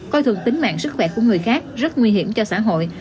coi thường tính mạng sức khỏe của người khác rất nguy hiểm cho xã hội